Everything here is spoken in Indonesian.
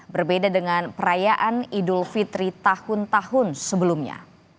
berbeda dengan perayaan idul fitri tahun tahun sebelumnya